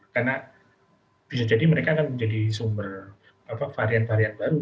karena bisa jadi mereka akan menjadi sumber varian varian baru